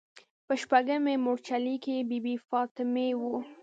په شپږمې مورچلې کې د بي بي فاطمې و.